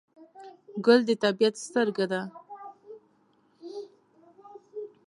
ګل د طبیعت سترګه ده.